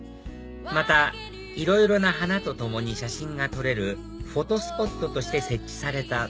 またいろいろな花とともに写真が撮れるフォトスポットとして設置されたドアも人気です